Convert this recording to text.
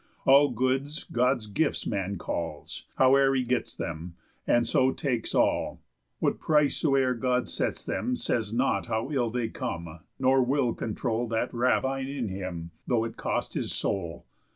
All goods God's gifts man calls, howe'er he gets them, And so takes all; what price soe'er God sets them, Says nought how ill they come, nor will controul That ravine in him, though it cost his soul.